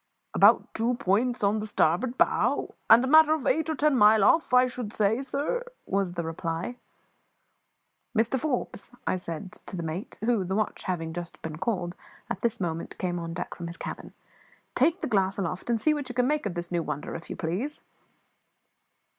"About two points on the starboard bow, and a matter of eight or ten mile off, I should say, sir," was the reply. "Mr Forbes," said I to the mate, who, the watch having just been called, at this moment came on deck from his cabin, "take the glass aloft, and see what you can make of this new wonder, if you please."